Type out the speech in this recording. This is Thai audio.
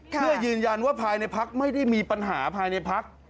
เพื่อยืนยันว่าภายในพักไม่ได้มีปัญหาภายในพัก